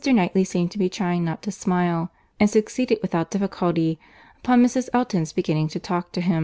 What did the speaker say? Knightley seemed to be trying not to smile; and succeeded without difficulty, upon Mrs. Elton's beginning to talk to him.